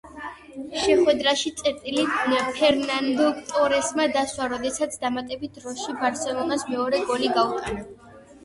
შეხვედრაში წერტილი ფერნანდო ტორესმა დასვა, როდესაც დამატებით დროში ბარსელონას მეორე გოლი გაუტანა.